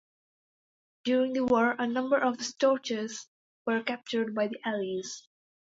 During the war a number of "Storches" were captured by the Allies.